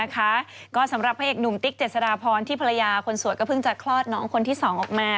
ก็สำหรับพระเอกหนุ่มติ๊กเจษฎาพรที่ภรรยาคนสวยก็เพิ่งจะคลอดน้องคนที่๒ออกมา